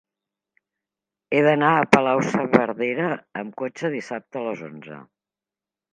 He d'anar a Palau-saverdera amb cotxe dissabte a les onze.